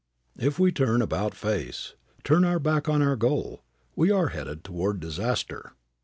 If we turn about face, turn our back on our goal, we are headed toward disaster.